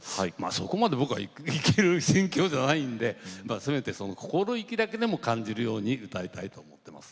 そこまで僕はいける心境じゃないんでせめてその心意気だけでも感じるように歌いたいと思ってます。